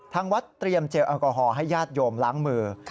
ทางวัดเตรียมเจลแอลกอฮอลให้ญาติโยมล้างมือ